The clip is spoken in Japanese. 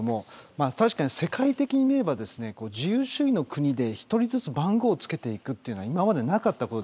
確かに世界的に見れば自由主義の国で１人ずつ番号を付けるのは今までなかったこと。